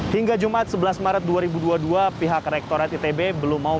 hingga jumat sebelas maret dua ribu dua puluh dua pihak rektorat itb belum mau